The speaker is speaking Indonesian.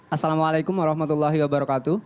assalamualaikum warahmatullahi wabarakatuh